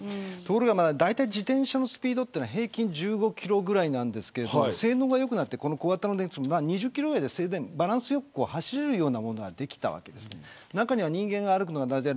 だいたい自転車のスピードは平均１５キロぐらいですが性能が良くなって小型で２０キロぐらいで走れるようなものができたわけです。